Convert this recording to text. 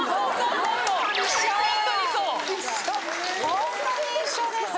ホントに一緒です。